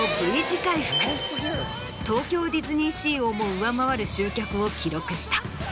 東京ディズニーシーをも上回る集客を記録した。